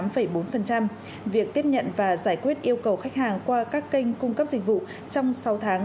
việc tiếp nhận và giải quyết yêu cầu khách hàng qua các kênh cung cấp dịch vụ trong sáu tháng